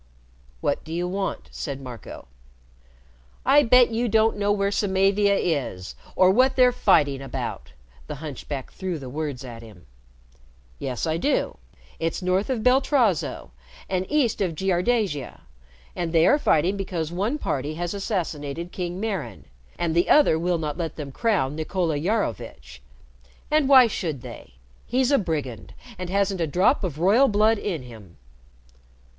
"What do you want?" said Marco. "I bet you don't know where Samavia is, or what they're fighting about." The hunchback threw the words at him. "Yes, I do. It's north of Beltrazo and east of Jiardasia, and they are fighting because one party has assassinated King Maran, and the other will not let them crown Nicola Iarovitch. And why should they? He's a brigand, and hasn't a drop of royal blood in him."